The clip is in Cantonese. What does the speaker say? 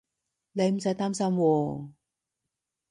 你唔使擔心喎